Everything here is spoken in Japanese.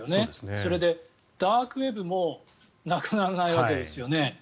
それでダークウェブもなくならないわけですよね。